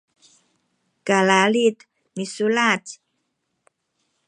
kalalid misulac